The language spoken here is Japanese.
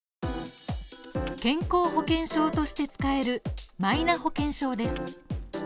健康保険証として使えるマイナ保険証です。